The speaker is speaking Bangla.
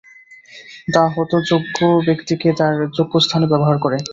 তা হত যোগ্য ব্যক্তিকে তার যোগ্যস্থানে ব্যবহার করে।